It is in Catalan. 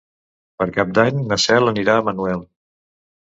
Per Cap d'Any na Cel anirà a Manuel.